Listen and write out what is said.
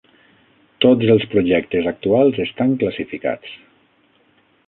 Tots els projectes actuals estan classificats.